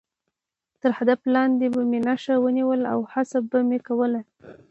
تر هدف لاندې به مې نښه ونیوله او هڅه به مې کوله.